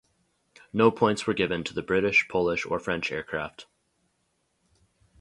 No points were given to the British, Polish or French aircraft.